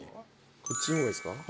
こっちの方がいいっすか？